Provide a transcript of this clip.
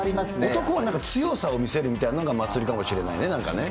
男はなんか、強さを見せるみたいなのが祭りかもしれないね、なんかね。